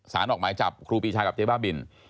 ออกหมายจับครูปีชากับเจ๊บ้าบิน